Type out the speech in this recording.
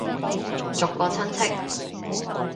逐個親戚